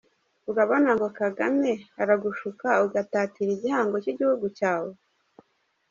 Urabona ngo Kagame aragushuka ugatatira igihango cy igihugu cyawe!!!